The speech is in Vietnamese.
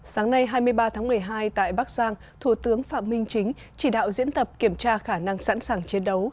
sáng nay hai mươi ba tháng một mươi hai tại bắc giang thủ tướng phạm minh chính chỉ đạo diễn tập kiểm tra khả năng sẵn sàng chiến đấu